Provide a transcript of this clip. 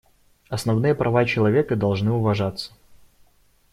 Основные права человека должны уважаться.